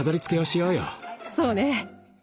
そうね。